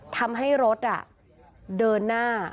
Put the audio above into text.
ทำให้รถเดินหน้า